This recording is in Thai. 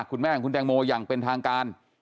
คุณแม่ของคุณแตงโมอย่างเป็นทางการ